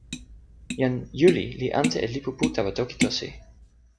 jan Juli li ante e lipu pu tawa toki Tosi.